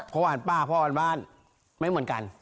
ผัวหวานป้าผัวหวานบ้านไม่เหมือนกัน